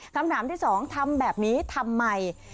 คำถามที่สองทำแบบนี้ทำไม